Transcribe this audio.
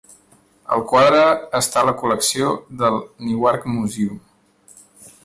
El quadre està a la col·lecció del Newark Museum.